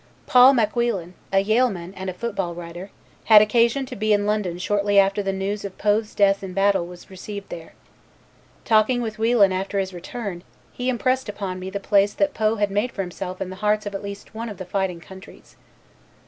Paul Mac Whelan, a Yale man and football writer, had occasion to be in London shortly after the news of Poe's death in battle was received there. Talking with Whelan after his return he impressed upon me the place that Poe had made for himself in the hearts of at least one of the fighting countries.